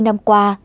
bảy mươi năm qua